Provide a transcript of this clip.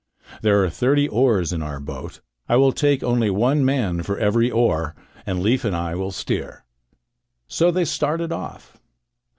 There are thirty oars in our boat. I will take only one man for every oar, and Leif and I will steer." So they started off.